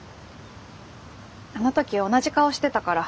あの時同じ顔してたから。